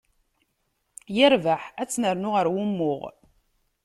Yerbeḥ, ad tt-nernu ɣer wumuɣ.